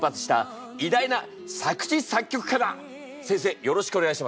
よろしくお願いします。